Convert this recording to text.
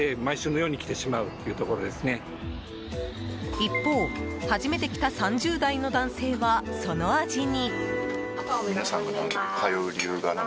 一方、初めて来た３０代の男性は、その味に。